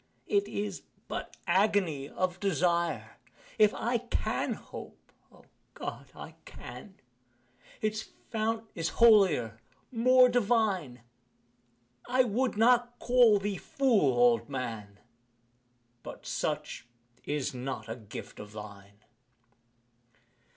It is but agony of desire: If I can hope O God! I can Its fount is holier more divine I would not call thee fool, old man, But such is not a gift of thine.